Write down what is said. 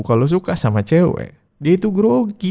kalau suka sama cewek dia itu grogi